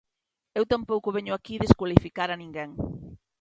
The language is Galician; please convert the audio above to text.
Eu tampouco veño aquí descualificar a ninguén.